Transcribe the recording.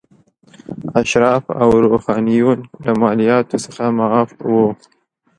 اشراف او روحانیون له مالیاتو څخه معاف وو.